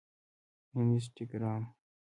انسټاګرام